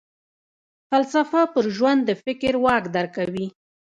فلسفه پر ژوند د فکر واک درکوي.